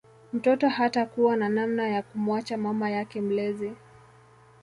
Mtoto hatakuwa na namna ya kumuacha mama yake mlezi